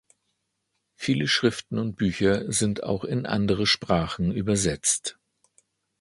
Viele Schriften und Bücher sind auch in andere Sprachen übersetzt.